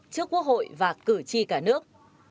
trước quốc hội và cử tri cả nước